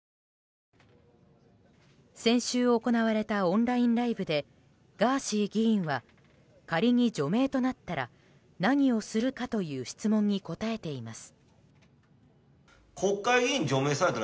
先週行われたオンラインライブでガーシー議員は仮に除名となったら何をするかという質問に答えています。